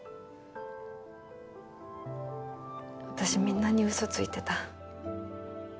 みんなに嘘ついてた。